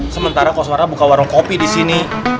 sementara koswara buka warung kopi disini